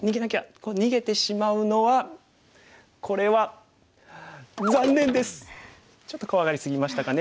こう逃げてしまうのはこれはちょっと怖がり過ぎましたかね。